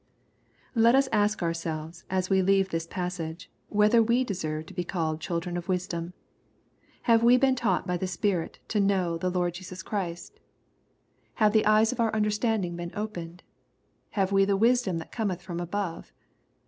Let us ask ourselves, as we leave this passage, whether we deserve to be called children of wisdom ? Have we b«en taught by the Spirit to know the Lord Jesus Christ ? 232 l&XPOSITOBY THOUGHTS. Have the eyes of our understaDding been opeued ? Hw.>6 we the wisdom that cometh &od i above